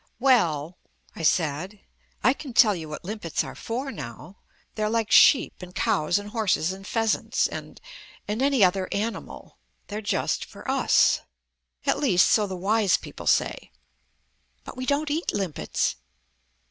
"Well," I said, "I can tell you what limpets are for now. They're like sheep and cows and horses and pheasants and and any other animal. They're just for us. At least so the wise people say." "But we don't eat limpets."